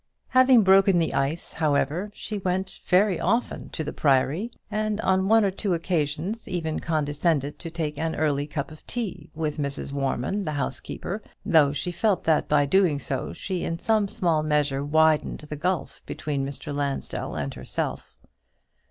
Having broken the ice, however, she went very often to the Priory; and on one or two occasions even condescended to take an early cup of tea with Mrs. Warman, the housekeeper, though she felt that by so doing she in some small measure widened the gulf between Mr. Lansdell and herself.